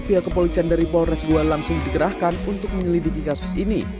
pihak kepolisian dari polres goa langsung dikerahkan untuk menyelidiki kasus ini